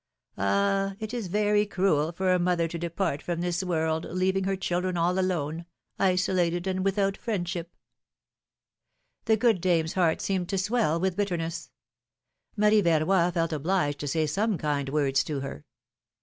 Ah ! it is very cruel for a mother to depart from this world leaving her children all alone, isolated and without friendship The good dame's heart seemed to swell with bitterness; Marie Verroy felt obliged to say some kind words to her.